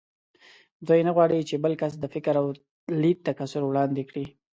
دوی نه غواړ چې بل کس د فکر او لید تکثر وړاندې کړي